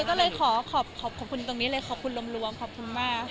ก็เลยขอขอบคุณตรงนี้เลยขอบคุณรวมขอบคุณมาก